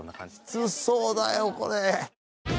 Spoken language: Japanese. きつそうだよこれ。